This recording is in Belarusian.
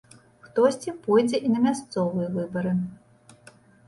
Хтосьці пойдзе і на мясцовыя выбары.